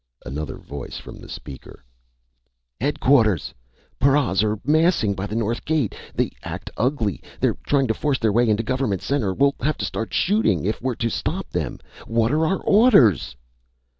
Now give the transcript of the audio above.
Another voice from the speaker: "_Headquarters! Paras are massing by the north gate! They act ugly! They're trying to force their way into Government Center! We'll have to start shooting if we're to stop them! What are our orders?